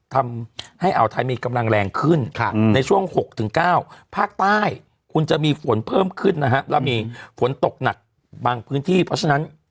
ทำให้อ่าวไทยมีกำลังแรงขึ้นในช่วง๖๙ภาคใต้คุณจะมีฝนเพิ่มขึ้นนะฮะแล้วมีฝนตกหนักบางพื้นที่เพราะฉะนั้น